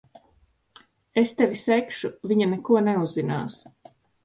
Es tevi segšu. Viņa neko neuzzinās.